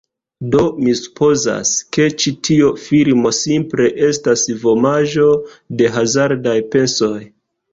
Do mi supozas, ke ĉi tio filmo simple estas vomaĵo de hazardaj pensoj.